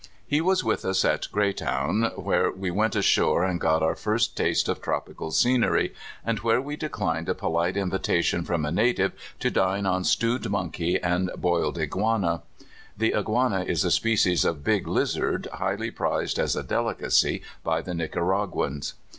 He was with us at Gre3^town, where we went ashore and got our first taste of tropical scener}', and where we declined a polite invitation from a native to dine on stewed monkey and boiled igua na. (The iguana is a species of big lizard, highly prized as a delicacy by the Nicaraguans.)